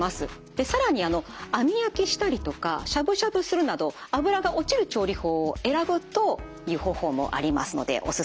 更に網焼きしたりとかしゃぶしゃぶするなど脂が落ちる調理法を選ぶという方法もありますのでおすすめです。